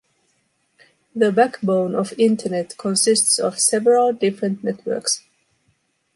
The “backbone” of Internet consists of several different networks.